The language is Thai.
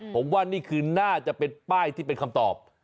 ผมว่านี่คือน่าจะเป็นป้ายที่เป็นคำตอบ